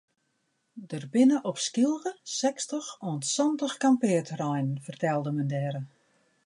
Der binne op Skylge sechstich oant santich kampearterreinen fertelde men dêre.